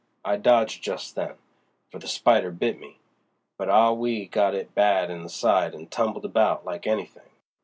I dodged just then, for the spider bit me, but Ah Wee got it bad in the side an' tumbled about like anything.